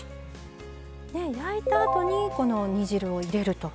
焼いたあとにこの煮汁を入れると。